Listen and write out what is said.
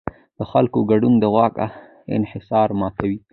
د خلکو ګډون د واک انحصار ماتوي